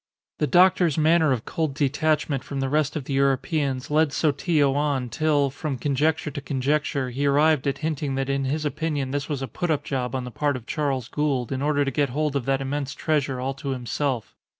The doctor's manner of cold detachment from the rest of the Europeans led Sotillo on, till, from conjecture to conjecture, he arrived at hinting that in his opinion this was a putup job on the part of Charles Gould, in order to get hold of that immense treasure all to himself.